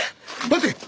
待て！